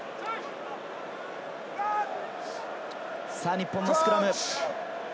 日本のスクラム。